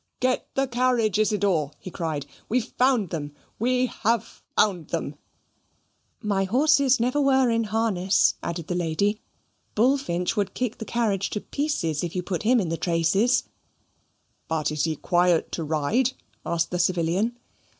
"Get the carriage, Isidor," he cried; "we've found them we have found them." "My horses never were in harness," added the lady. "Bullfinch would kick the carriage to pieces, if you put him in the traces." "But he is quiet to ride?" asked the civilian.